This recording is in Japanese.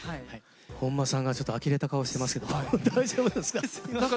本間さんがちょっとあきれた顔してますけども大丈夫ですか。